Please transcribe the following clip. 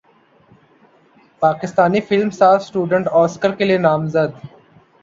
پاکستانی فلم ساز student Oscar کے لیے نامزد